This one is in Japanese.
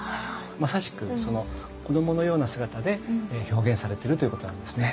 まさしく子どものような姿で表現されてるということなんですね。